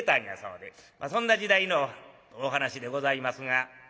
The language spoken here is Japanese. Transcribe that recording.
そんな時代のお噺でございますが。